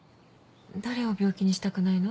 誰を病気にしたくないの？